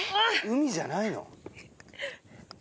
海じゃないの？